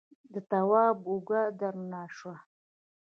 د تواب اوږه درنه شوه.